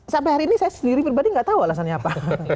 sampai hari ini saya sendiri pribadi nggak tahu alasannya apa